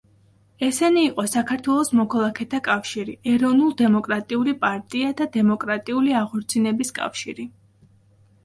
ესენი იყო საქართველოს მოქალაქეთა კავშირი, ეროვნულ-დემოკრატიული პარტია და დემოკრატიული აღორძინების კავშირი.